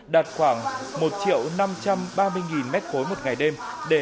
đạt khoảng một năm trăm ba mươi m ba một ngày đêm